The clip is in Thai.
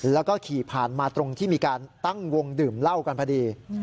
แล้วก็ขี่ผ่านมาตรงที่มีการตั้งวงดื่มเหล้ากันพอดี